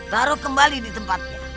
taruh kembali di tempatnya